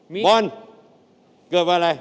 มอนเกิดวันอะไร